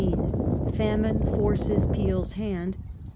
FAMINE FORCES FEEL'S HAND.